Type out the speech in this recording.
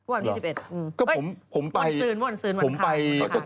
วัน๒๑อื้อวันซื้นวันคายวันทาง